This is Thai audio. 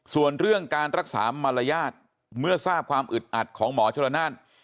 ส่วนเรื่องการรักษามารยาทเมื่อทราบความอึดอัดของหมอชลนาน